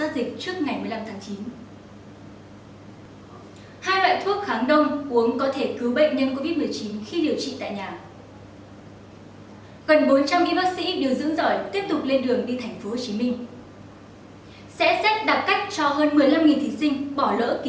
xin chào và hẹn gặp lại